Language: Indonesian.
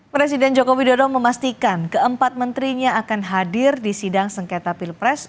presiden joko widodo memastikan keempat menterinya akan hadir di sidang sengketa pilpres